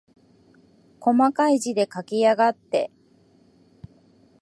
こまかい字で書きやがって。